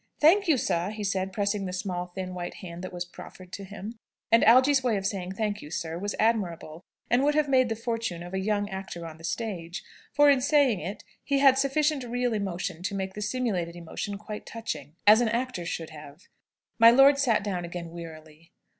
"Thank you, sir," he said, pressing the small thin white hand that was proffered to him. And Algy's way of saying "Thank you, sir," was admirable, and would have made the fortune of a young actor on the stage; for, in saying it, he had sufficient real emotion to make the simulated emotion quite touching as an actor should have. My lord sat down again, wearily.